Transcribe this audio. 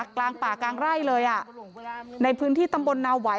กลางป่ากลางไร่เลยอ่ะในพื้นที่ตำบลนาไหว